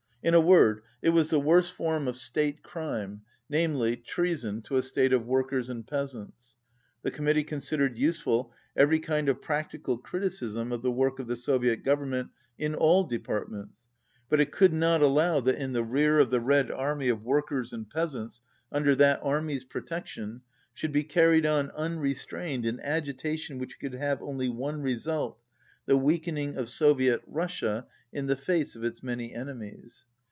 In a word, it was the worst form of state crime, namely, treason to a state of work ers and peasants. The Committee considered use ful every kind of practical criticism of the work of the Soviet Government in all departments, but it could not allow that in the rear of the Red Army of workers and peasants, under that army's protection, should be carried on unrestrained an agitation which could have only one result, the weakening of Soviet Russia in the face of its many enemies.